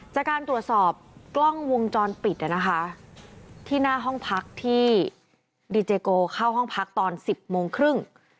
จากการตรวจสอบกล้องวงจรปิดนะคะที่หน้าห้องพักที่ดีเจโกเข้าห้องพักตอน๑๐โมงครึ่ง